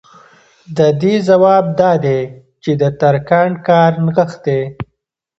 د دې ځواب دا دی چې د ترکاڼ کار نغښتی